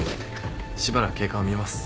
しばらく経過を見ます。